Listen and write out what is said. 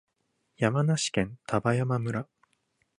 山梨県丹波山村